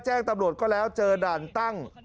แจ้งตำรวจก็แล้วเจอด่านตั้ง